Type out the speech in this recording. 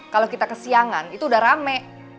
kalau kita kesiangan itu udah rame